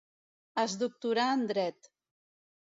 Es doctorà en dret.